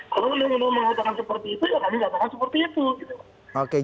kalau undang undang mengatakan seperti itu ya kami mengatakan seperti itu